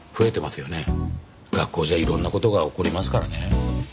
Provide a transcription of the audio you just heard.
学校じゃいろんな事が起こりますからね。